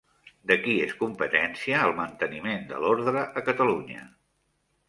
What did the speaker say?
De qui és competència el manteniment de l'ordre a Catalunya?